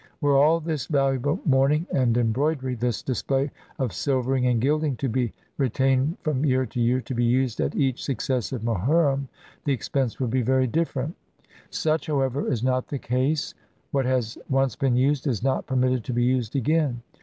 Were all this valuable mourning and embroidery, this display of silvering and gilding, to be retained from year to year to be used at each successive Mohurrim, the expense would be very different. Such, however, is not the case; what has once been used is not permitted to be used again.